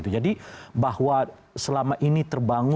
jadi bahwa selama ini terbangun